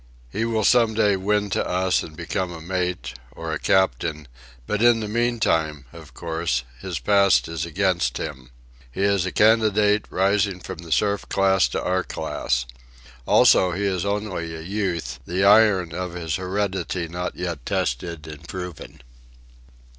He will some day win to us and become a mate or a captain, but in the meantime, of course, his past is against him. He is a candidate, rising from the serf class to our class. Also, he is only a youth, the iron of his heredity not yet tested and proven.